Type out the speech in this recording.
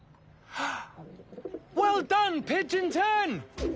はあ。